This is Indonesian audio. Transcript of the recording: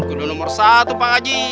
kudu nomor satu pak haji